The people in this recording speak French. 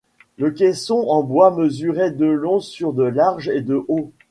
Le caisson en bois mesurait de long sur de large et de haut.